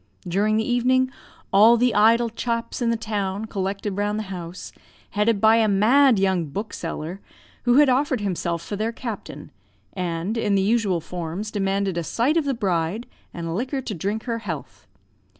During the evening, all the idle chaps in the town collected round the house, headed by a mad young bookseller, who had offered himself for their captain, and, in the usual forms, demanded a sight of the bride, and liquor to drink her health.